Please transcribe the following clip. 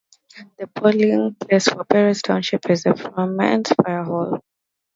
The polling place for Perry Township is the Fremont Fire Hall.